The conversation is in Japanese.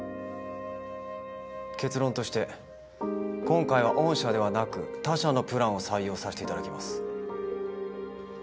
結論として今回は御社ではなく他社のプランを採用させて頂きます。